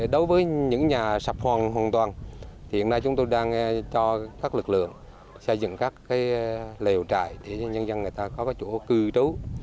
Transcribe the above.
đối với những nhà sập hoang hoàn toàn hiện nay chúng tôi đang cho các lực lượng xây dựng các lều trại để cho nhân dân có chỗ cư trú